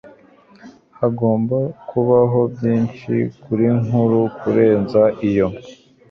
Hagomba kubaho byinshi kurinkuru kurenza iyo